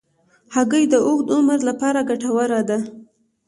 هګۍ د اوږد عمر لپاره ګټوره ده.